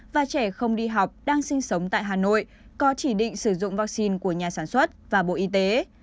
và trẻ không đi học đang sinh sống tại hà nội có chỉ định sử dụng vaccine của nhà sản xuất và bộ y tế